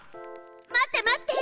待って待って！